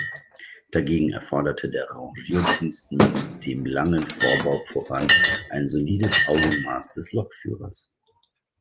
Dagegen erforderte der Rangierdienst mit dem langen Vorbau voran ein solides Augenmaß des Lokführers.